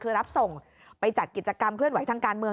คือรับส่งไปจัดกิจกรรมเคลื่อนไหวทางการเมือง